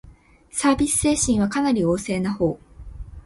サービス精神はかなり旺盛なほう